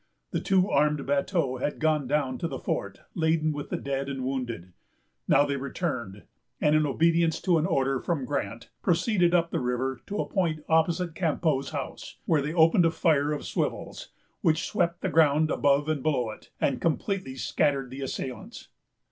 The two armed bateaux had gone down to the fort, laden with the dead and wounded. They now returned, and, in obedience to an order from Grant, proceeded up the river to a point opposite Campau's house, where they opened a fire of swivels, which swept the ground above and below it, and completely scattered the assailants.